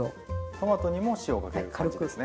トマトにも塩をかける感じですね。